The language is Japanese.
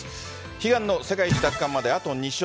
悲願の世界一奪還まであと２勝。